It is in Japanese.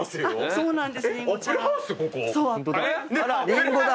そうなんです